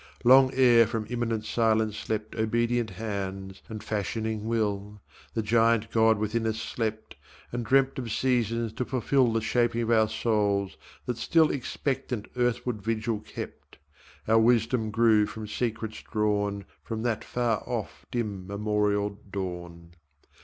Long ere from immanent silence leapt Obedient hands and fashioning will, The giant god within us slept, And dreamt of seasons to fulfil The shaping of our souls that still Expectant earthward vigil kept; Our wisdom grew from secrets drawn From that far off dim memoried dawn.